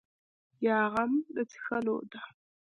یا غم د څښلو ده.